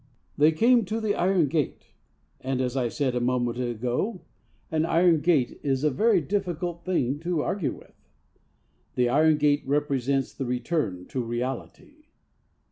'They came to the iron gate,' and, as I said a moment ago, an iron gate is a very difficult thing to argue with. The iron gate represents the return to reality.